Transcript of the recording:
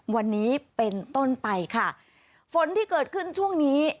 วันนี้เป็นต้นไปค่ะฝนที่เกิดขึ้นช่วงนี้